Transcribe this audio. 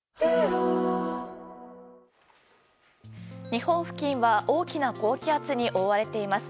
日本付近は大きな高気圧に覆われています。